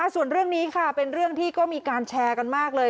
ส่วนเรื่องนี้ค่ะเป็นเรื่องที่ก็มีการแชร์กันมากเลย